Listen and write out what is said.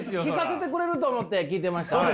聞かせてくれると思って聞いてました。